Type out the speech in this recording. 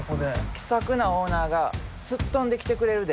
気さくなオーナーがすっ飛んできてくれるで。